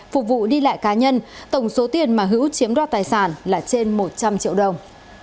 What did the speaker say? phục vụ đi lại cá nhân tổng số tiền mà hữu chiếm đo tài sản là trên một trăm linh triệu đồng